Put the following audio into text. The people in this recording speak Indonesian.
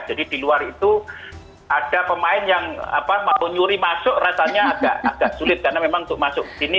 jadi di luar itu ada pemain yang mau nyuri masuk rasanya agak sulit karena memang untuk masuk ke sini